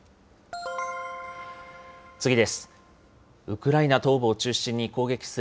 次です。